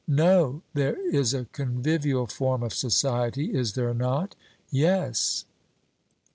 'No.' There is a convivial form of society is there not? 'Yes.'